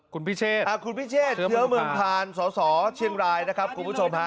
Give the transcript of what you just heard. คุณพิเชษเชื้อเมืองทานสสเชียงรายครับคุณผู้ชม